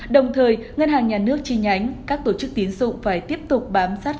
đồng thời ngân hàng nhà nước chi nhánh các tổ chức tiến dụng phải tiếp tục bám sát